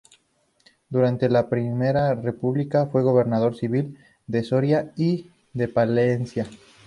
Durante la Primera República fue gobernador civil de Soria y de Palencia.